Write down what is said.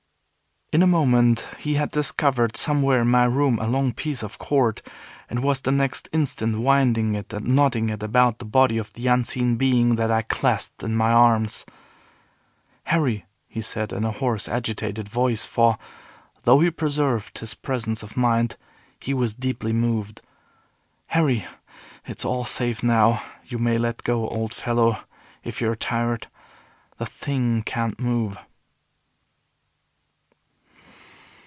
In a moment he had discovered somewhere in my room a long piece of cord, and was the next instant winding it and knotting it about the body of the unseen being that I clasped in my arms. "Harry," he said, in a hoarse, agitated voice, for, though he preserved his presence of mind, he was deeply moved, "Harry, it's all safe now. You may let go, old fellow, if you're tired. The Thing can't move."